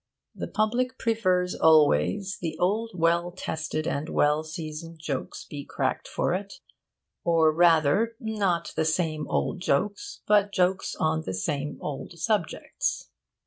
The public prefers always that the old well tested and well seasoned jokes be cracked for it. Or rather, not the same old jokes, but jokes on the same old subjects.